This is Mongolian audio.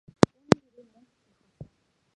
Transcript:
Үүнийхээ хэрээр мөнгө ч их олсон.